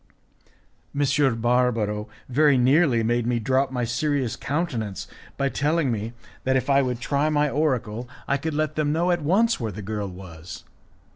M. Barbaro very nearly made me drop my serious countenance by telling me that if I would try my oracle I could let them know at once where the girl was.